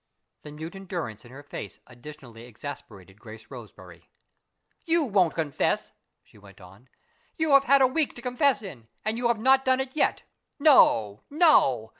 The mute endurance in her face additionally exasperated Grace Roseberry. "You won't confess," she went on. "You have had a week to confess in, and you have not done it yet. No, no!